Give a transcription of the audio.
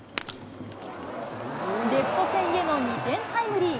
レフト線への２点タイムリー。